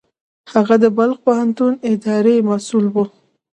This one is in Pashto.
هغه د بلخ پوهنتون اداري مسوول و.